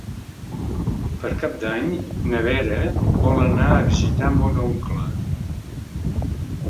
Per Cap d'Any na Vera vol anar a visitar mon oncle.